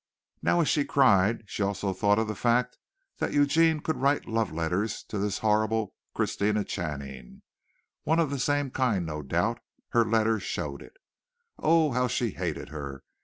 Now as she cried she also thought of the fact that Eugene could write love letters to this horrible Christina Channing one of the same kind, no doubt; her letters showed it. O oh! how she hated her!